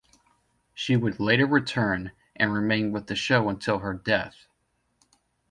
She would later return and remain with the show until her death.